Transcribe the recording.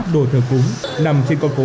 đồ thờ cúng nằm trên con cố